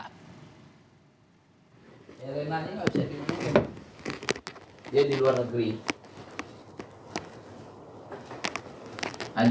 karena nggak bisa diumumkan dia di luar negeri